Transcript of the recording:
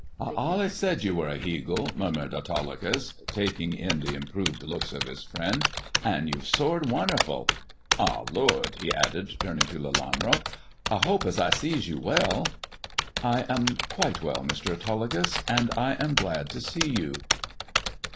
I allays said you were a heagle," murmured Autolycus, taking in the improved looks of his friend ;" an' you've soared wunnerful. Ah, lord," he added, turning to Lelanro, " I hopes as I sees you well 1 " "I am quite well, Mr. Autolycus, and I am glad to see you."